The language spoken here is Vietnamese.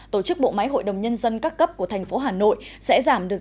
tổ chức bộ máy hội đồng nhân dân các cấp của thành phố hà nội sẽ giảm được